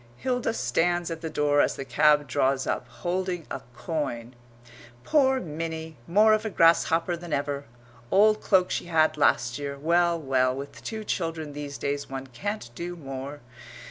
Hilda stands at the door as the cab draws up, holding a coin. "Poor Minnie, more of a grasshopper than ever old cloak she had last year. Well, well, with two children these days one can't do more.